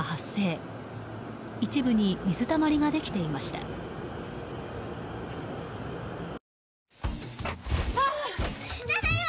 ただいま！